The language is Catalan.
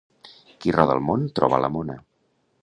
Qui roda el món, troba la mona.